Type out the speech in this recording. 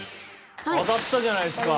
当たったじゃないですか。